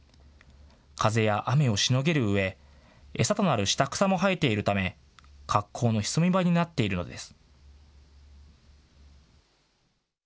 風や雨をしのげるうえ餌となる下草も生えているため格好の潜み場になっているのです。